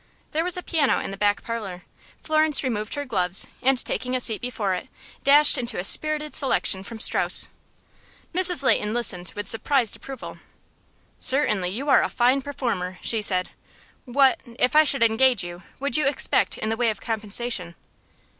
There was a piano in the back parlor. Florence removed her gloves, and taking a seat before it, dashed into a spirited selection from Strauss. Mrs. Leighton listened with surprised approval. "Certainly you are a fine performer," she said. "What if I should engage you would you expect in the way of compensation?"